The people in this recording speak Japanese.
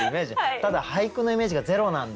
ただ俳句のイメージがゼロなんで。